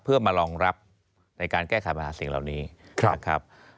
เพื่อมารองรับในการแก้ไขปัญหาสิ่งเหล่านี้นะครับ